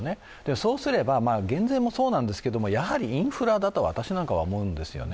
そうすれば減税もそうなんですけどインフラだと私なんかは思うんですよね。